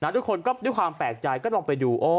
ทุกคนก็ด้วยความแปลกใจก็ลองไปดู